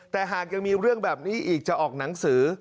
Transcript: แต่หากยังมีเรื่องแบบนี้อีกจะออกหนังสือ